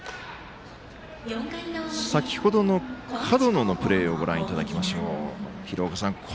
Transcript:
先ほどの門野のプレーをご覧いただきましょう。